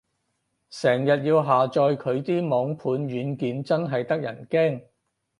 成日要下載佢啲網盤軟件，真係得人驚